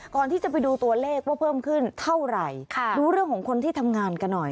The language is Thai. ก่อนที่จะไปดูตัวเลขว่าเพิ่มขึ้นเท่าไหร่ค่ะดูเรื่องของคนที่ทำงานกันหน่อย